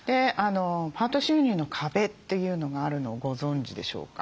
「パート収入の壁」というのがあるのをご存じでしょうか。